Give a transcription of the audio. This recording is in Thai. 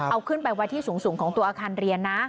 เอาขึ้นไปไว้ที่สูงของตัวอาคารเรียนนะ